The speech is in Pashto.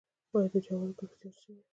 آیا د جوارو کښت زیات شوی؟